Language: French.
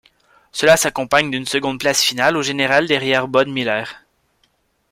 Cela s'accompagne d'une seconde place finale au général derrière Bode Miller.